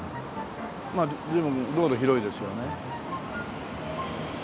まあ随分道路広いですよね。